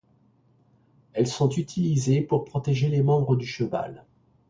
Elles sont utilisées pour protéger les membres du cheval.